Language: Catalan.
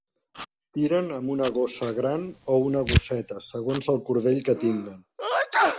Tiren amb una gossa gran o una gosseta, segons el cordell que tinguen.